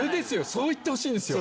そう言ってほしいんですよ。